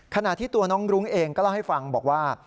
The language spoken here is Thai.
ขณะที่ตัวน้องรุ้งเองก็เล่าให้ฟังบอกว่า